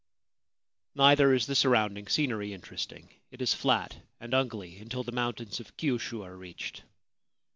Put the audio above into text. Neither is the surrounding scenery interesting ; it is flat and ugly until the mountains of Kiushu are reached.